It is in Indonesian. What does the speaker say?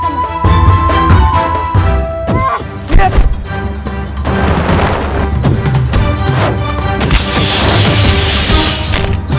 kenapa nell nya terdiri orang pertama makanan ber jongal